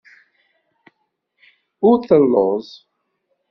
Ur telluẓ.